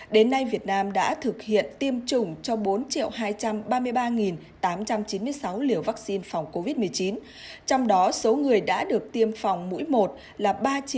đến nay việt nam đã thực hiện tiêm chủng cho bốn hai trăm ba mươi ba tám trăm chín mươi sáu liều vaccine phòng covid một mươi chín trong đó số người đã được tiêm phòng mũi một là ba chín